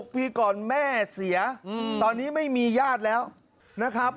ปีก่อนแม่เสียตอนนี้ไม่มีญาติแล้วนะครับ